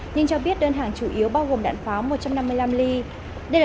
nhưng cho biết đơn hàng chủ yếu bao gồm đạn phòng